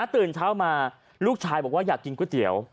ตื่นเช้ามาลูกชายบอกว่าอยากกินก๋วยเตี๋ยว